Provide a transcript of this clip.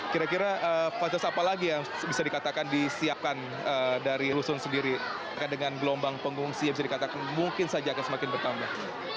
kira kira fasilitas apa lagi yang bisa dikatakan disiapkan dari rusun sendiri dengan gelombang pengungsi yang bisa dikatakan mungkin saja akan semakin bertambah